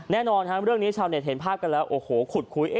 แน่นอนครับเรื่องนี้ชาวเน็ตเห็นภาพกันแล้วโอ้โหขุดคุย